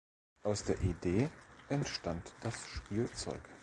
Aus der Idee entstand das Spielzeug.